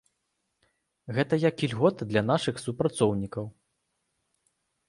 Гэта як ільгота для нашых супрацоўнікаў.